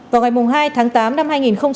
vào ngày hai tháng tám năm hai nghìn hai mươi